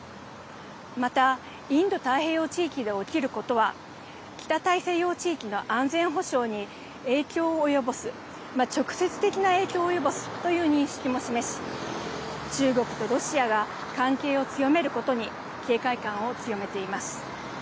また、インド太平洋地域で起きることは、北大西洋地域の安全保障に影響を及ぼす、直接的な影響を及ぼすという認識も示し、中国とロシアが関係を強めることに警戒感を強めています。